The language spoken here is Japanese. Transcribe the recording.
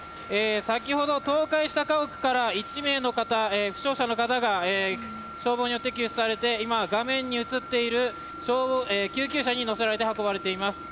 先ほど、倒壊した家屋から１名の負傷者の方が消防によって救出されて今、画面に映っている救急車に乗せられて運ばれています。